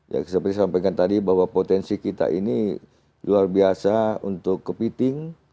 ya seperti sampaikan tadi bahwa potensi kita ini luar biasa untuk kepiting